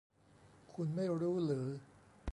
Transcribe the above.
คุณไม่รู้หรือ